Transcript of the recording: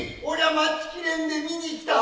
待ち切れんで見に来たぞ。